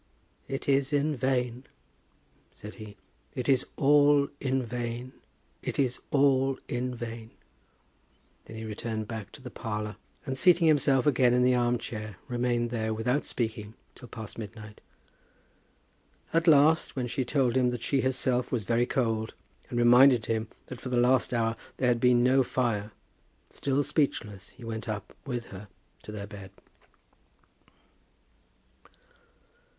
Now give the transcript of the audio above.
"It is in vain," said he. "It is all in vain. It is all in vain." Then he returned back to the parlour, and seating himself again in the arm chair, remained there without speaking till past midnight. At last, when she told him that she herself was very cold, and reminded him that for the last hour there had been no fire, still speechless, he went up with her to their bed.